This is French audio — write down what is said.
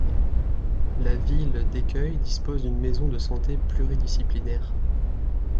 La ville d’Ecueille dispose d’une maison de santé pluridisciplinaire.